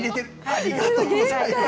ありがとうございます。